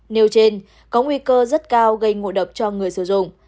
nêu trên có nguy cơ rất cao gây ngộ độc cho người sử dụng